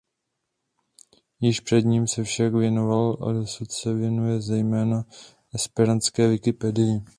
Již předtím se však věnoval a dosud se věnuje zejména esperantské Wikipedii.